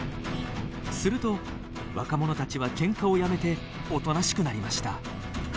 すると若者たちはけんかをやめておとなしくなりました。